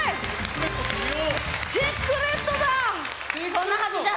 こんなはずじゃ。